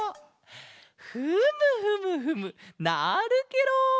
フムフムフムなるケロ！